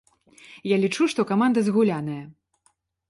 Я лічу, што каманда згуляная.